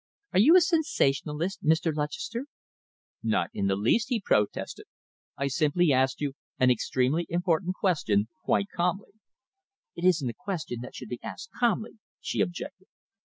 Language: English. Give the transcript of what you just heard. Are you a sensationalist, Mr. Lutchester?" "Not in the least," he protested. "I simply asked you an extremely important question quite calmly." "It isn't a question that should be asked calmly," she objected.